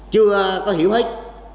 chưa có hiểu hết